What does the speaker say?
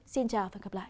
xin chào và hẹn gặp lại